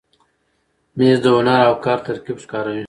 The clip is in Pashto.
مېز د هنر او کار ترکیب ښکاروي.